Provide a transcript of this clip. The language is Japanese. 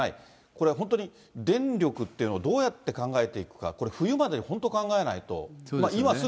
これ本当に、電力っていうのをどうやって考えていくか、これ、冬までに本当、考えないと。